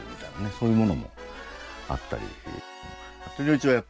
そういうものもあったり。